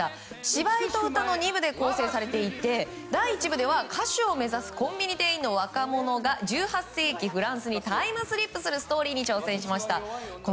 芝居と歌の２分で構成されていて第１部では歌手を目指すコンビニ店員の若者が１８世紀フランスにタイムスリップするストーリーに挑戦しました。